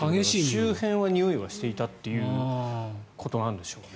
周辺はにおいはしていたということなんでしょうね。